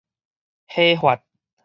火發